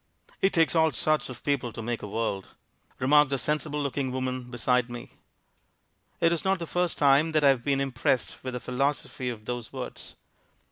"It takes all sorts of people to make a world," remarked the sensible looking woman beside me. It is not the first time that I have been impressed with the philosophy of those words.